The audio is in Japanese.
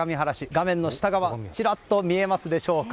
画面の下側、ちらっと見えますでしょうか。